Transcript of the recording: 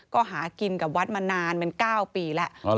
ก็หากินกับวัดมานานเป็น๙ปีแล้ว